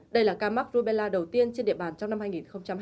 đây là ca mắc rubella đầu tiên trên địa bàn trong năm hai nghìn hai mươi